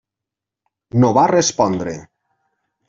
No va respondre.